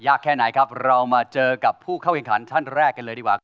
แค่ไหนครับเรามาเจอกับผู้เข้าแข่งขันท่านแรกกันเลยดีกว่า